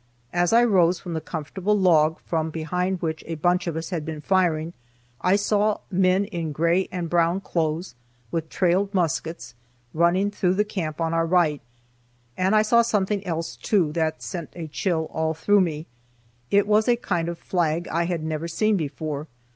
As I rose from the comfortable log from behind which a bunch of us had been firing, I saw men in gray and brown clothes, with trailed muskets, running through the camp on our right, and I saw something else, too, that sent a chill all through me. It was a kind of flag I had never seen before.